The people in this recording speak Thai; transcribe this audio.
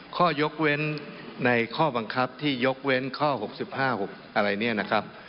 ข้อยกเว้นในข้อบังคับที่ยกเว้นข้อ๖๕๖อะไรเนี่ยนะครับ